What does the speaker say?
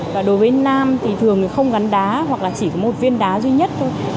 và đối với nam thì thường không gắn đá hoặc là chỉ có một viên đá duy nhất thôi